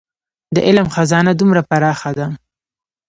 د علم خزانه دومره پراخه ده.